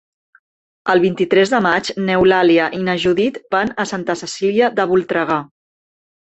El vint-i-tres de maig n'Eulàlia i na Judit van a Santa Cecília de Voltregà.